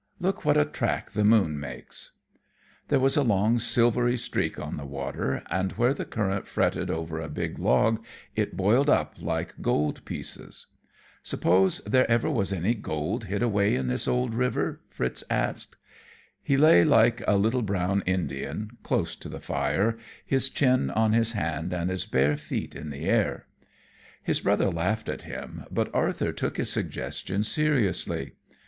Look what a track the moon makes!" There was a long, silvery streak on the water, and where the current fretted over a big log it boiled up like gold pieces. "Suppose there ever was any gold hid away in this old river?" Fritz asked. He lay like a little brown Indian, close to the fire, his chin on his hand and his bare feet in the air. His brother laughed at him, but Arthur took his suggestion seriously.